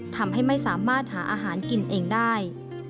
ทำให้ไม่สามารถหาอาหารกินเองได้